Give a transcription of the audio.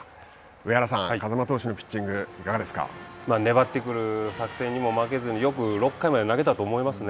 上原さん、風間投手のピッチング粘ってくる作戦にも負けずによく６回まで投げたと思いますね。